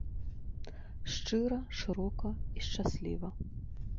Шчыра, шырока і шчасліва.